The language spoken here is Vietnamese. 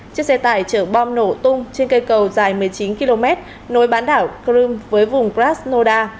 chiếc xe tải chở bom nổ tung trên cây cầu dài một mươi chín km nối bán đảo crimea với vùng prasnoda